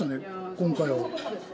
今回は。